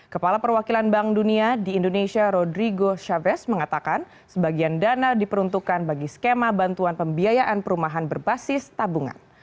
kepala perwakilan bank dunia di indonesia rodrigo chavez mengatakan sebagian dana diperuntukkan bagi skema bantuan pembiayaan perumahan berbasis tabungan